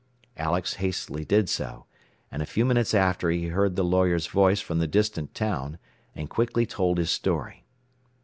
Alex hastily did so, and a few minutes after he heard the lawyer's voice from the distant town, and quickly told his story.